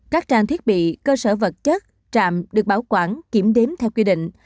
các trang thiết bị cơ sở vật chất trạm được bảo quản kiểm đếm theo quy định